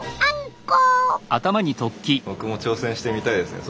僕も挑戦してみたいですね